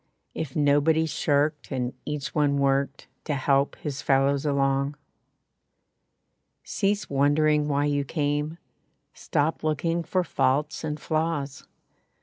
If nobody shirked, and each one worked To help his fellows along. Cease wondering why you came Stop looking for faults and flaws.